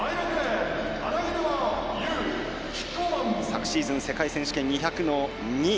昨シーズン、世界選手権２００の２位。